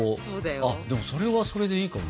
あっそれはそれでいいかも。